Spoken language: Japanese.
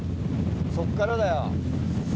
そっからだよ。